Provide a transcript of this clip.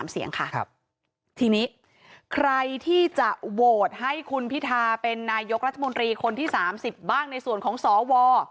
เสียงค่ะทีนี้ใครที่จะโหวตให้คุณพิทาเป็นนายกรัฐมนตรีคนที่๓๐บ้างในส่วนของสว